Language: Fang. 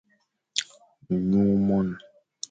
Nyu mon.